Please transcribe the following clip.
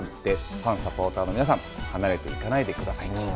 ファン、サポーターの皆さん離れていかないでくださいと。